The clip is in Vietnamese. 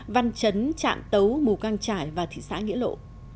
văn trấn trạm tấu mù căng trải và thị xã nghĩa lộ